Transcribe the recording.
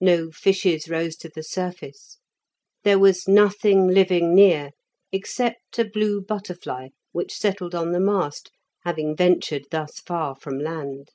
No fishes rose to the surface. There was nothing living near, except a blue butterfly, which settled on the mast, having ventured thus far from land.